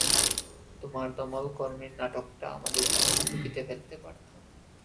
তোমার দমলকর্মীর নাটকটা আমাদের জীবন ঝুকিতে ফেলতে পারতো।